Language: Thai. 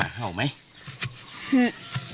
แล้วก็เกงบอลสีแดงค่ะ